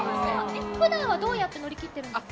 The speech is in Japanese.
普段は、どうやって乗り切ってるんですか？